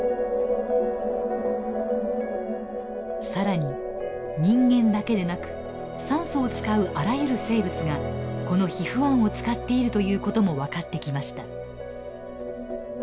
更に人間だけでなく酸素を使うあらゆる生物がこのＨＩＦ−１を使っているということも分かってきました。